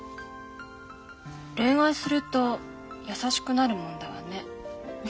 恋愛すると優しくなるもんだわね。